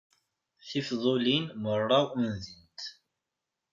Tifdulin merra undint.